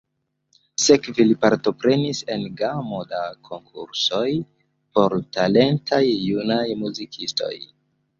Sekve li partoprenis en gamo da konkursoj por talentaj junaj muzikistoj.